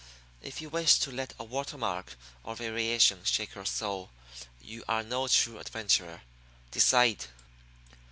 If you wish to let a water mark or a variation shake your soul, you are no true adventurer. Decide."